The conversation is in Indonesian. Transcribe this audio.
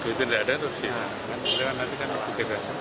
perluan yang enggak ada duit yang enggak ada itu harus diterima